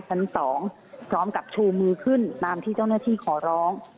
ชั้น๒พร้อมกับชูมือขึ้นตามที่เจ้าหน้าที่ขอร้อง